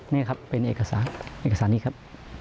นี่ครับเป็นเอกสารนี้ครับ